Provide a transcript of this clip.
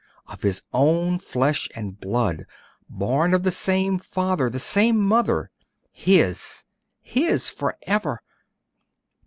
of his own flesh and blood born of the same father, the same mother his, his, for ever!